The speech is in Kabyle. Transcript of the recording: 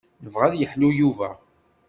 Nebɣa ad yeḥlu Yuba.